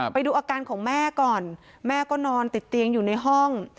ไปดูอาการของแม่ก่อนแม่ก็นอนติดเตียงอยู่ในห้อง